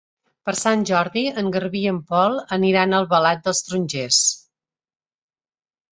Per Sant Jordi en Garbí i en Pol aniran a Albalat dels Tarongers.